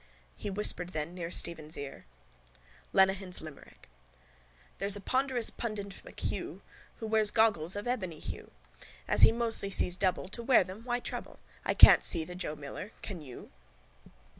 He whispered then near Stephen's ear: LENEHAN'S LIMERICK —_There's a ponderous pundit MacHugh Who wears goggles of ebony hue. As he mostly sees double To wear them why trouble? I can't see the Joe Miller. Can you?